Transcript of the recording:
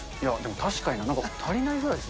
確かになんか足りないぐらいですね。